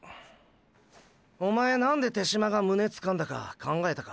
おまえ何で手嶋が胸つかんだか考えたか？